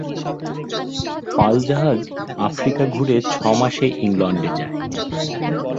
পাল-জাহাজ Africa ঘুরে ছ-মাসে ইংলণ্ডে যায়।